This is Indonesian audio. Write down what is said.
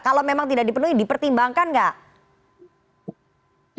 kalau memang tidak dipenuhi dipertimbangkan nggak